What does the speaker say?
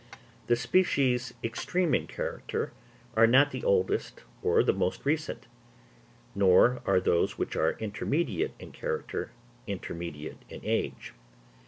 The species extreme in character are not the oldest or the most recent; nor are those which are intermediate in character, intermediate in age.